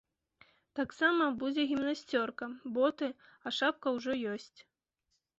Таксама будзе гімнасцёрка, боты, а шапка ўжо ёсць.